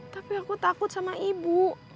tapi aku takut sama ibu